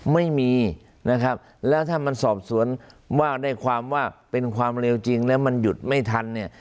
ไม่มีนะครับแล้วถ้ามันสอบสวนว่าได้ความว่าเป็นความเร็วจริงแล้วมันหยุดไม่ทันเนี่ย